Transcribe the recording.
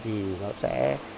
thì nó sẽ